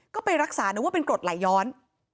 ก็ไปรักษานึกว่าเป็นกรดไหลย้อน